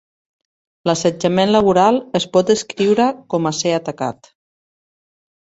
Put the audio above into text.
L'assetjament laboral es pot descriure com a ser atacat.